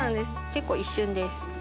結構一瞬です。